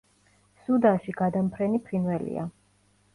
სუდანში გადამფრენი ფრინველია.